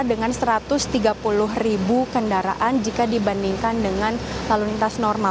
dengan satu ratus tiga puluh ribu kendaraan jika dibandingkan dengan lalu lintas normal